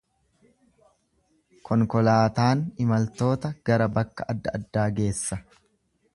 Konkolaataan imaltoota gara bakka adda addaa geessa.